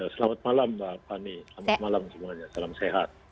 selamat malam mbak fani selamat malam semuanya salam sehat